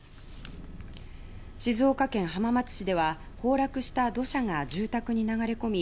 静岡県浜松市では崩落した土砂が住宅に流れ込み